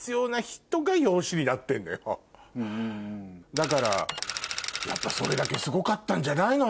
だからやっぱそれだけすごかったんじゃないの？